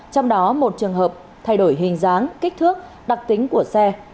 trong đó một trường hợp thay đổi hình dáng kích thước đặc tính của xe